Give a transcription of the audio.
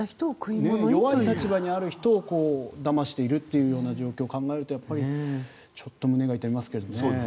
弱い立場にある人をだましているという状況を考えるとちょっと胸が痛みますけどね。